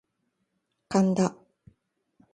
神田